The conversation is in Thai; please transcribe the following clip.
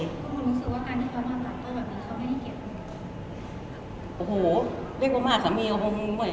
บุ๋มก็คงรู้สึกว่าการที่สัมภาษณ์เขาแบบนี้เขาไม่ให้เกียรติผู้หญิง